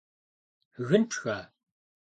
Гын пшха?!